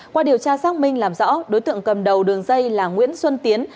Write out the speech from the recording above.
qua điều tra xác minh làm rõ đối tượng cầm đầu đường dây là nguyễn xuân tiến